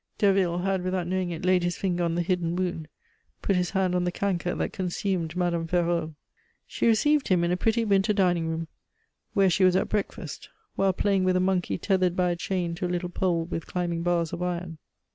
Derville had without knowing it laid his finger on the hidden wound, put his hand on the canker that consumed Madame Ferraud. She received him in a pretty winter dining room, where she was at breakfast, while playing with a monkey tethered by a chain to a little pole with climbing bars of iron.